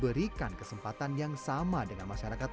berharap untuk ke depan ini saya lebih ke sebuah kiri